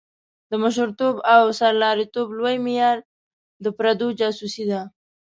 د مشرتوب او سرلاري توب لوی معیار د پردو جاسوسي ده.